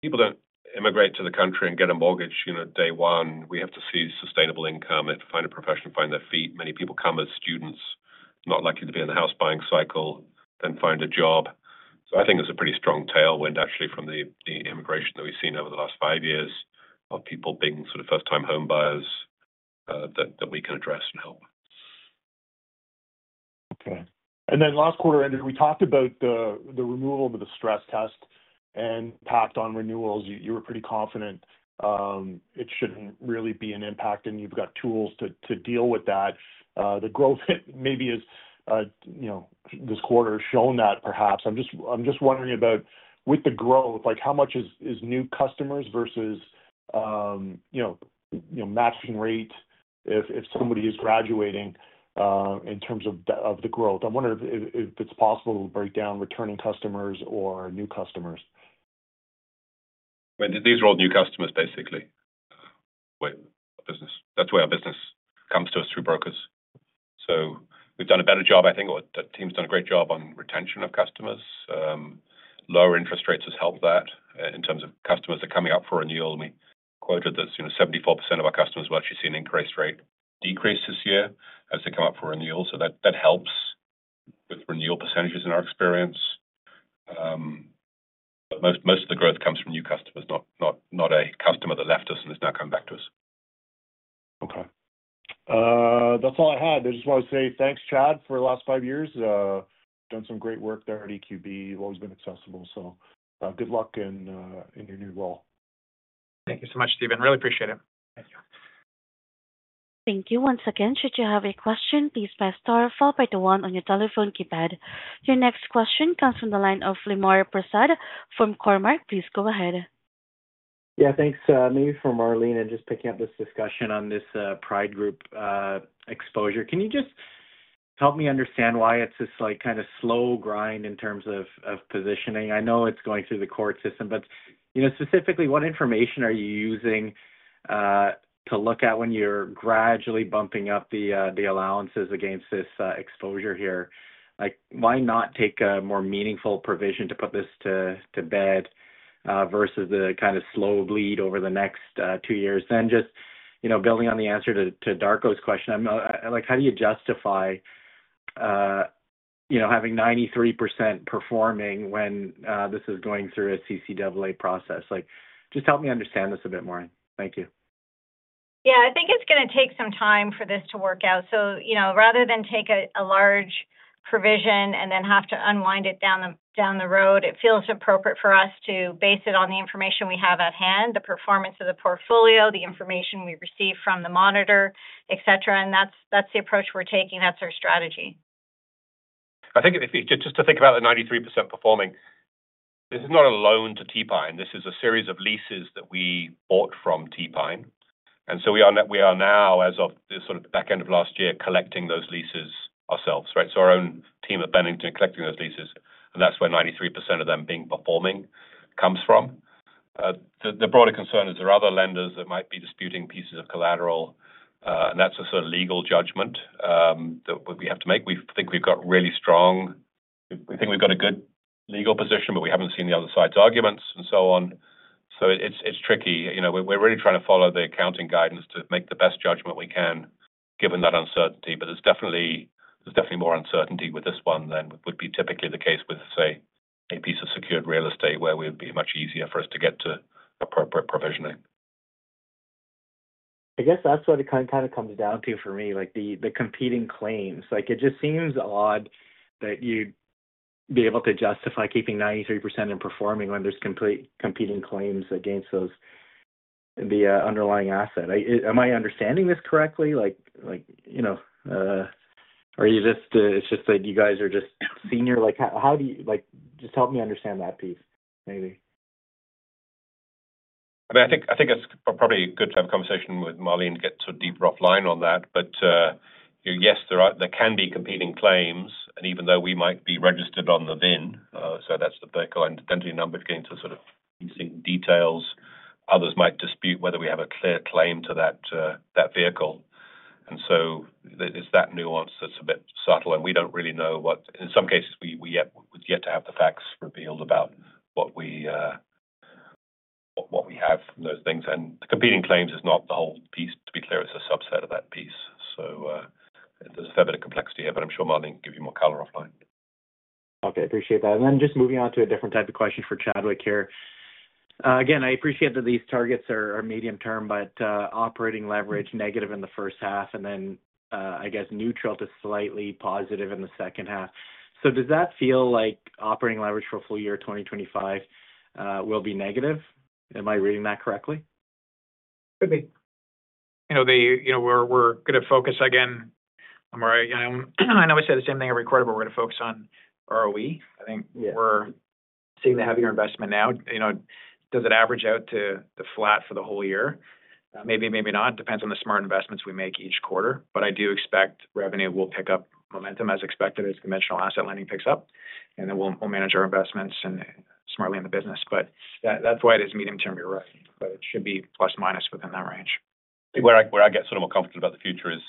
people don't immigrate to the country and get a mortgage day one. We have to see sustainable income, find a profession, find their feet. Many people come as students, not likely to be in the house-buying cycle, then find a job. So I think there's a pretty strong tailwind actually from the immigration that we've seen over the last five years of people being sort of first-time home buyers that we can address and help. Okay. And then last quarter-ended, we talked about the removal of the stress test and impact on renewals. You were pretty confident it shouldn't really be an impact, and you've got tools to deal with that. The growth maybe is this quarter has shown that perhaps. I'm just wondering about with the growth, how much is new customers versus matching rate if somebody is graduating in terms of the growth? I wonder if it's possible to break down returning customers or new customers. These are all new customers, basically, that's the way our business comes to us through brokers. So we've done a better job, I think, or the team's done a great job on retention of customers. Lower interest rates have helped that in terms of customers that are coming up for renewal. We quoted that 74% of our customers will actually see an increased rate decrease this year as they come up for renewal. So that helps with renewal percentages in our experience. But most of the growth comes from new customers, not a customer that left us and is now coming back to us. Okay. That's all I had. I just want to say thanks, Chad, for the last five years. Done some great work there at EQB. You've always been accessible, so good luck in your new role. Thank you so much, Stephen. Really appreciate it. Thank you. Thank you once again. Should you have a question, please press star or follow up by the one on your telephone keypad. Your next question comes from the line of Lemar Persaud from Cormark. Please go ahead. Yeah. Thanks. Maybe from Marlene and just picking up this discussion on this Pride Group exposure. Can you just help me understand why it's this kind of slow grind in terms of positioning? I know it's going through the court system, but specifically, what information are you using to look at when you're gradually bumping up the allowances against this exposure here? Why not take a more meaningful provision to put this to bed versus the kind of slow bleed over the next two years? Then just building on the answer to Darko's question, how do you justify having 93% performing when this is going through a CCAA process? Just help me understand this a bit more. Thank you. Yeah. I think it's going to take some time for this to work out. So rather than take a large provision and then have to unwind it down the road, it feels appropriate for us to base it on the information we have at hand, the performance of the portfolio, the information we receive from the monitor, etc. And that's the approach we're taking. That's our strategy. I think just to think about the 93% performing. This is not a loan to T-Pine. This is a series of leases that we bought from T-Pine. And so we are now, as of the sort of back end of last year, collecting those leases ourselves, right? So our own team at Bennington are collecting those leases. And that's where 93% of them being performing comes from. The broader concern is there are other lenders that might be disputing pieces of collateral. And that's a sort of legal judgment that we have to make. We think we've got a good legal position, but we haven't seen the other side's arguments and so on. So it's tricky. We're really trying to follow the accounting guidance to make the best judgment we can given that uncertainty. But there's definitely more uncertainty with this one than would be typically the case with, say, a piece of secured real estate where it would be much easier for us to get to appropriate provisioning. I guess that's what it kind of comes down to for me, the competing claims. It just seems odd that you'd be able to justify keeping 93% and performing when there's complete competing claims against the underlying asset. Am I understanding this correctly? Or it's just that you guys are just senior? Just help me understand that piece, maybe. I mean, I think it's probably good to have a conversation with Marlene and get sort of deeper offline on that. But yes, there can be competing claims. And even though we might be registered on the VIN, so that's the vehicle identity number, if you're getting to sort of decent details, others might dispute whether we have a clear claim to that vehicle. And so it's that nuance that's a bit subtle. And we don't really know what in some cases, we would yet to have the facts revealed about what we have from those things. And the competing claims is not the whole piece, to be clear. It's a subset of that piece. So there's a fair bit of complexity here. But I'm sure Marlene can give you more color offline. Okay. Appreciate that. And then just moving on to a different type of question for Chadwick here. Again, I appreciate that these targets are medium-term, but operating leverage negative in the first half, and then, I guess, neutral to slightly positive in the second half. So does that feel like operating leverage for full year 2025 will be negative? Am I reading that correctly? Could be. We're going to focus again. I know I say the same thing every quarter, but we're going to focus on ROE. I think we're seeing the heavier investment now. Does it average out to flat for the whole year? Maybe, maybe not. Depends on the smart investments we make each quarter. But I do expect revenue will pick up momentum as expected, as conventional asset lending picks up. And then we'll manage our investments smartly in the business. But that's why it is medium-term. You're right. But it should be plus-minus within that range. Where I get sort of more comfortable about the future is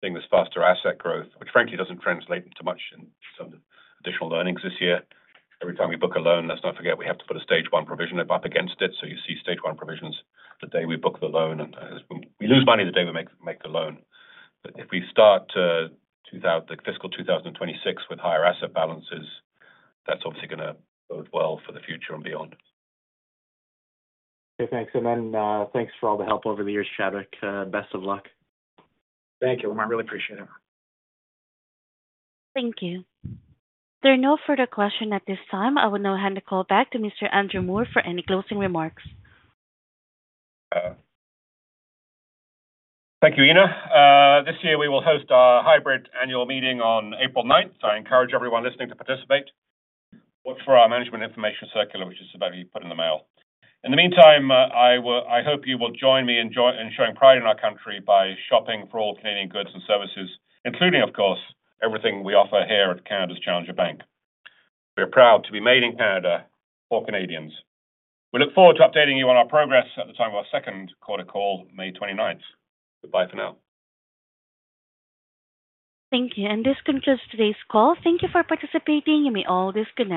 seeing this faster asset growth, which frankly doesn't translate into much in terms of additional earnings this year. Every time we book a loan, let's not forget we have to put a Stage 1 provision up against it. So you see Stage 1 provisions the day we book the loan. And we lose money the day we make the loan. But if we start the fiscal 2026 with higher asset balances, that's obviously going to bode well for the future and beyond. Okay. Thanks. And then thanks for all the help over the years, Chadwick. Best of luck. Thank you, Lemar. Really appreciate it. Thank you. There are no further questions at this time. I will now hand the call back to Mr. Andrew Moor for any closing remarks. Thank you, Ina. This year, we will host our hybrid annual meeting on 9 April. I encourage everyone listening to participate. Look for our management information circular, which is about to be put in the mail. In the meantime, I hope you will join me in showing pride in our country by shopping for all Canadian goods and services, including, of course, everything we offer here at Canada's Challenger Bank. We are proud to be made in Canada for Canadians. We look forward to updating you on our progress at the time of our Q2 call, 29 May. Goodbye for now. Thank you. And this concludes today's call. Thank you for participating. You may all disconnect.